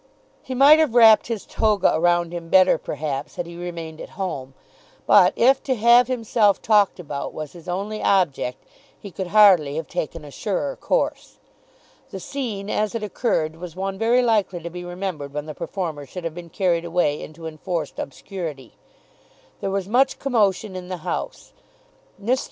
He might have wrapped his toga around him better perhaps had he remained at home, but if to have himself talked about was his only object, he could hardly have taken a surer course. The scene, as it occurred, was one very likely to be remembered when the performer should have been carried away into enforced obscurity. There was much commotion in the House. Mr.